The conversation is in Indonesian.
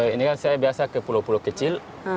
ini kan saya biasa ke pulau pulau kecil